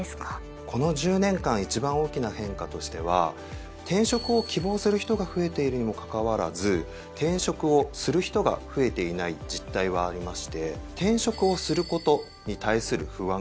この１０年間一番大きな変化としては転職を希望する人が増えているにもかかわらず転職をする人が増えていない実態はありまして転職をすることに対する不安がですね